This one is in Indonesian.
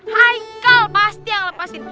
haikal pasti yang lepasin